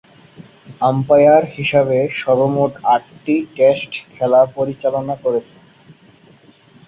Umpire হিসেবে সর্বমোট আটটি টেস্ট খেলা পরিচালনা করেছেন।